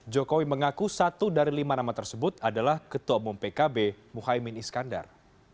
jokowi mengaku satu dari lima nama tersebut adalah ketua umum pkb muhaymin iskandar